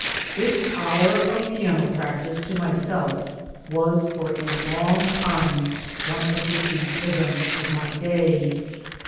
This hour of piano practice to myself was for a long time one of the chief events of my day.